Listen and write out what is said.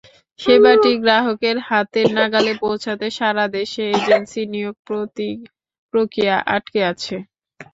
সেবাটি গ্রাহকের হাতের নাগালে পৌঁছাতে সারা দেশে এজেন্সি নিয়োগ-প্রক্রিয়া আটকে আছে।